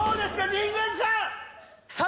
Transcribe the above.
⁉神宮寺さん。